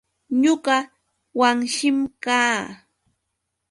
Ñuqa Wanshim kaa.